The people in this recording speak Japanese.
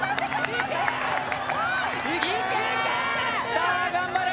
さあ頑張れ